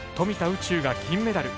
宇宙が銀メダル。